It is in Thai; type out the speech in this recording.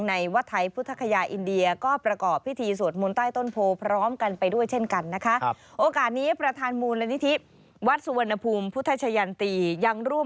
ในวัดไทยพุทธคัยาอินเดีย